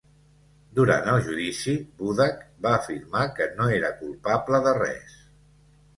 Durant el judici, Budak va afirmar que no era culpable de res.